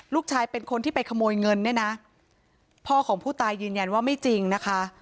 ลูกชายเป็นคนที่ไปขโมยเงินเนี่ยนะพ่อของผู้ตายยืนยันว่าไม่จริงนะคะ